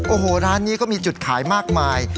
โอ้โหร้านนี้ก็มีจุดขายมากมาย